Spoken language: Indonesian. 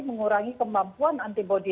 mengurangi kemampuan antibody